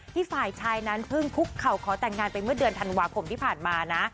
ฝ่ายชายนั้นเพิ่งคุกเข่าขอแต่งงานไปเมื่อเดือนธันวาคมที่ผ่านมานะ